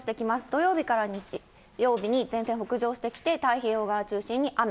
土曜日から日曜日に前線北上してきて、太平洋側を中心に雨。